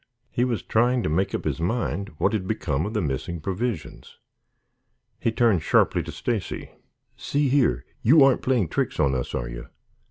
He was trying to make up his mind what had become of the missing provisions. He turned sharply to Stacy. "See here, you aren't playing tricks on us, are you?"